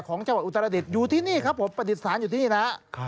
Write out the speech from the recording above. ของเจ้าหวัดอุตสระดิษฐ์อยู่ที่นี่นะ